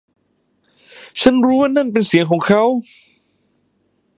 ฉันรู้ว่านั่นเป็นเสียงของเขา